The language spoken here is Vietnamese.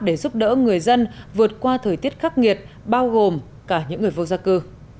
để giúp đỡ người dân vượt qua thời tiết khắc nghiệt bao gồm cả những người vô gia cư